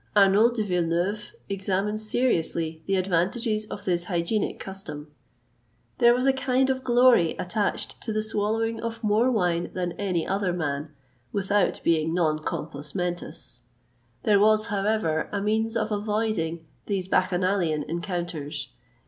Arnaud de Villeneuve examines seriously the advantages of this Hygienic custom.[XXVIII 168] There was a kind of glory attached to the swallowing of more wine than any other man without being non compos mentis. There was, however, a means of avoiding these bacchanalian encounters.